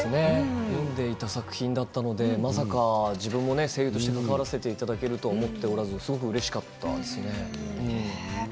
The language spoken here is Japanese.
読んでいた作品だったのでまさか自分も声優として関わらせていただくと思っておらずすごくうれしかったですね。